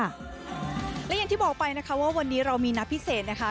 และอย่างที่บอกไปนะคะว่าวันนี้เรามีนัดพิเศษนะคะ